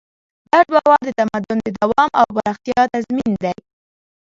ګډ باور د تمدن د دوام او پراختیا تضمین دی.